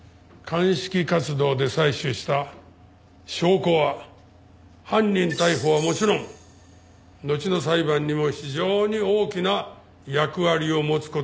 鑑識活動で採取した証拠は犯人逮捕はもちろんのちの裁判にも非常に大きな役割を持つ事になります。